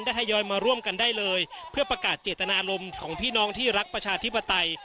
ทยอยมาร่วมกันได้เลยเพื่อประกาศเจตนารมณ์ของพี่น้องที่รักประชาธิปไตย